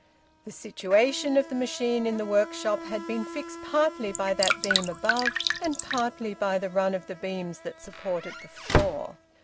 The situation of the machine in the workshop had been fixed partly by that beam above and partly by the run of the beams that supported the floor.